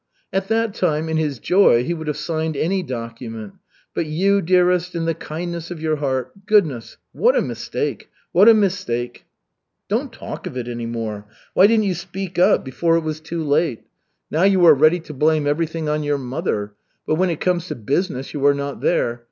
"At that time, in his joy, he would have signed any document. But you, dearest, in the kindness of your heart goodness, what a mistake! What a mistake!" "Don't talk of it any more. Why didn't you speak up before it was too late? Now you are ready to blame everything on your mother, but when it comes to business, you are not there.